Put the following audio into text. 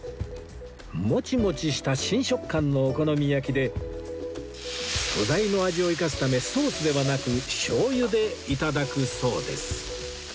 モチモチした新食感のお好み焼きで素材の味を生かすためソースではなく醤油で頂くそうです